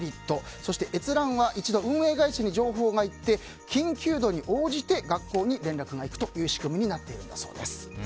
そして、閲覧は一度運営会社に情報がいって緊急度に応じて学校に連絡がいく仕組みになっているそうです。